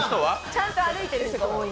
ちゃんと歩いている人が多い。